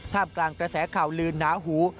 กลางกระแสข่าวลืนหนาหู